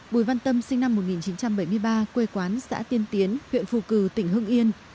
bùi văn tâm sinh năm một nghìn chín trăm bảy mươi ba quê quán xã tiên tiến huyện phù cử tỉnh hưng yên